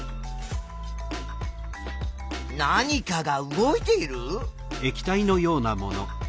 何かが動いている？